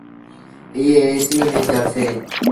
ائيٚݩ ايسيٚ ميݩ چڙسي۔